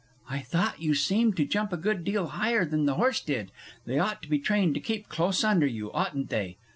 I thought you seemed to jump a good deal higher than the horse did. They ought to be trained to keep close under you, oughtn't they?